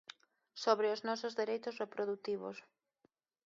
Sobre os nosos dereitos reprodutivos.